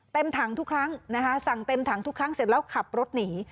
เต็มถังทุกครั้งนะคะสั่งเต็มถังทุกครั้งเสร็จแล้วขับรถหนี